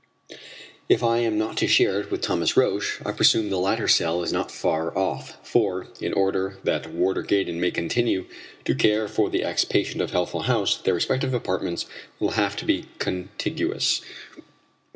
If I am not to share it with Thomas Roch, I presume the latter's cell is not far off, for in order that Warder Gaydon may continue to care for the ex patient of Healthful House, their respective apartments will have to be contiguous.